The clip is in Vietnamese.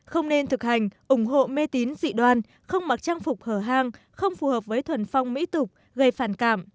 không nên thực hành ủng hộ mê tín dị đoan không mặc trang phục hở hang không phù hợp với thuần phong mỹ tục gây phản cảm